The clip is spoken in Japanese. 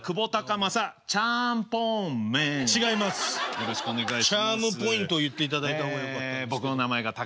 よろしくお願いします。